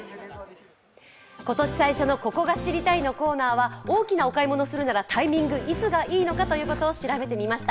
今年最初の「ここが知りたい！」のコーナーは大きなお買い物をするなら、タイミング、いつがいいのかということを調べてみました。